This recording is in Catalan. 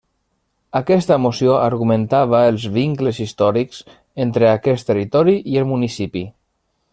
Aquesta moció argumentava els vincles històrics entre aquest territori i el municipi.